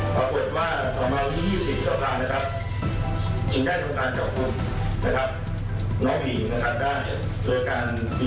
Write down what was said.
มีการติดต่อที่จะให้ประนำเอาเด็กมาค้าบริเวณนี้